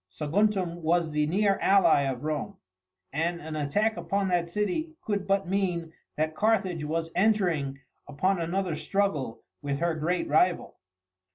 Saguntum was the near ally of Rome, and an attack upon that city could but mean that Carthage was entering upon another struggle with her great rival.